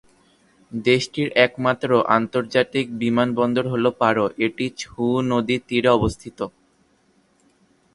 দেশটির একমাত্র আন্তর্জাতিক বিমানবন্দরটি হল পারো, এটি ছু নদীর তীরে অবস্থিত।